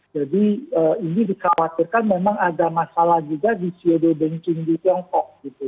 jadi ini dikhawatirkan memang ada masalah juga di sido banking di tiongkok gitu